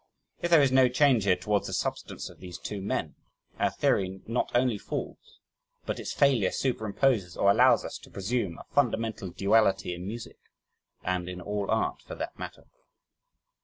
If there is no change here towards the substance of these two men, our theory not only falls but its failure superimposes or allows us to presume a fundamental duality in music, and in all art for that matter.